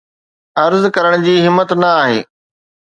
عرض ڪرڻ جي همت نه آهي